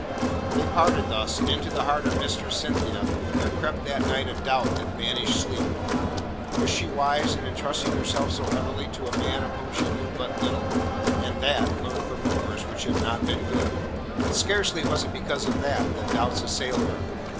They parted thus, and into the heart of Mistress Cynthia there crept that night a doubt that banished sleep. Was she wise in entrusting herself so utterly to a man of whom she knew but little, and that learnt from rumours which had not been good? But scarcely was it because of that that doubts assailed her.